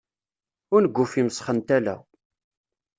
Unguf imesxen tala.